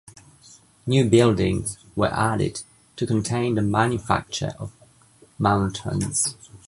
New buildings were added to contain the manufacture of munitions.